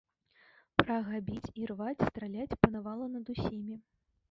Прага біць, ірваць, страляць панавала над усімі.